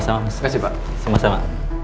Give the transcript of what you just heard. terima kasih pak sama sama